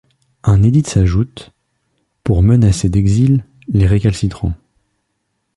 Un édit s’ajoute, pour menacer d’exil les récalcitrants.